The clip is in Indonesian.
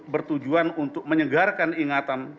bertujuan untuk menyegarkan ingatan